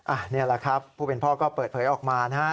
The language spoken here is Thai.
อันนี้แหละครับผู้เป็นพ่อก็เปิดเผยออกมานะฮะ